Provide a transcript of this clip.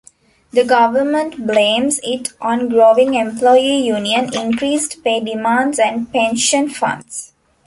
The government blames it on growing employee union increased pay demands and pension funds.